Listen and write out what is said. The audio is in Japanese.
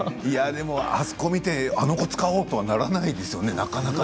あそこを見てあの子を使おうとはならないですよね